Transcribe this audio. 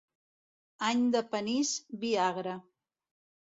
Any de panís, vi agre.